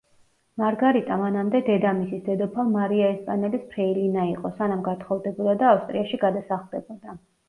მარგარიტა მანამდე დედამისის, დედოფალ მარია ესპანელის ფრეილინა იყო, სანამ გათხოვდებოდა და ავსტრიაში გადასახლდებოდა.